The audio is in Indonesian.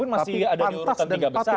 meskipun masih ada di urutan tiga besar